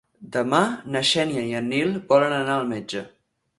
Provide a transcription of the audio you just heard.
Demà na Xènia i en Nil volen anar al metge.